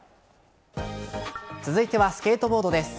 続いてはスケートボードです。